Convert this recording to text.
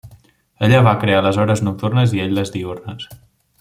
Ella va crear les hores nocturnes i ell les diürnes.